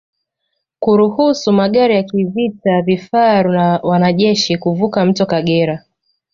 Kuruhusu magari ya kivita vifaru na wanajeshi kuvuka mto Kagera